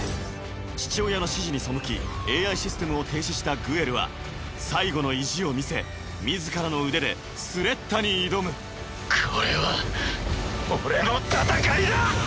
父親の指示に背きＡＩシステムを停止したグエルは最後の意地を見せ自らの腕でスレッタに挑むこれは俺の戦いだ！